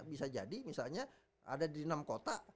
bisa jadi misalnya ada di enam kota